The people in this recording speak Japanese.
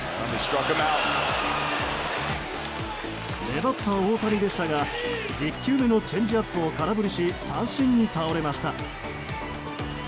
粘った大谷でしたが１０球目のチェンジアップを空振りし、三振に倒れました。